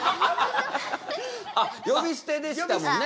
あ呼び捨てでしたもんね